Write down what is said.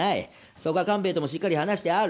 そこは官兵衛ともしっかり話してある。